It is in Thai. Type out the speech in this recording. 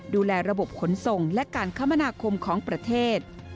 ดูแลระบบขนส่งและการคมนาคมของประเทศ